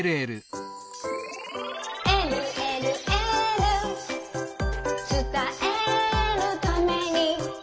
「えるえるエール」「つたえるために」